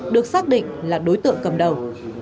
được xác định là đối tượng cầm đầu